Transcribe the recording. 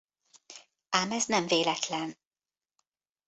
Ám ez nem véletlen.